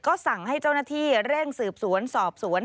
ก็สั่งให้เจ้าหน้าที่เร่งสืบสวนสอบสวน